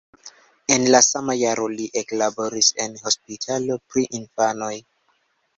En la sama jaro li eklaboris en hospitalo pri infanoj.